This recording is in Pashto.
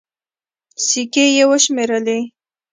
سيکې يې وشمېرلې.